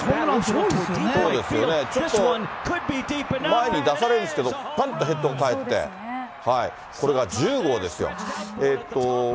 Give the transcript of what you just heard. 前に出されるんですけど、ぱんとヘッドが返って、これが１０号ですよ。